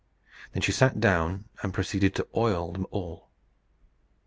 Then she sat down and proceeded to oil them all.